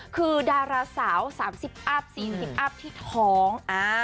คือดาราสาว๓๐อัพ๔๐อัพที่ท้อง